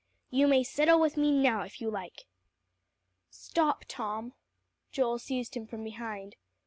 "You may settle with me now if you like." "Stop, Tom." Joel seized him from behind.